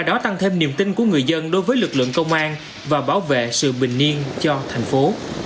đó tăng thêm niềm tin của người dân đối với lực lượng công an và bảo vệ sự bình niên cho thành phố